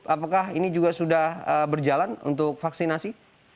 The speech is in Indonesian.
apakah ini juga sudah berjalan untuk vaksinasi